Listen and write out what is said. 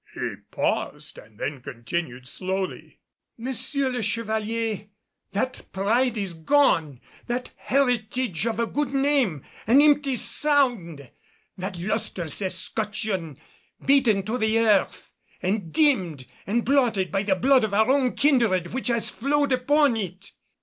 He paused and then continued slowly, "M. le Chevalier, that pride is gone; that heritage of a good name, an empty sound; that lustrous escutcheon, beaten to the earth, and dimmed and blotted by the blood of our own kindred which has flowed upon it."